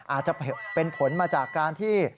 อาจจะเป็นผลมาจากการที่